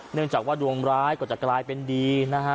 เนื่องจากว่าดวงร้ายก็จะกลายเป็นดีนะฮะ